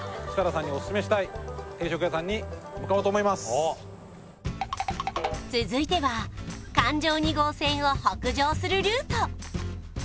これから続いては環状２号線を北上するルート